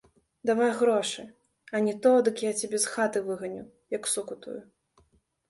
Давай грошы, а не то, дык я цябе з хаты выганю, як суку тую.